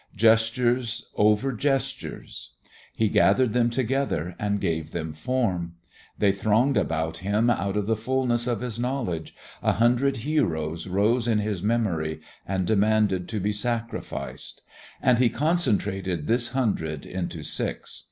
Gestures over gestures. He gathered them together and gave them form. They thronged about him out of the fulness of his knowledge, a hundred heroes rose in his memory and demanded to be sacrificed. And he concentrated this hundred into six.